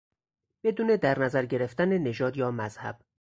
بدون در نظر گرفتن نژاد یا مذهب